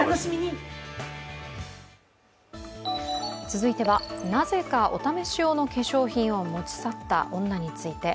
続いては、なぜかお試し用の化粧品を持ち去った女について。